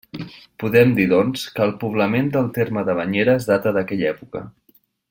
Podem dir, doncs, que el poblament del terme de Banyeres data d'aquella època.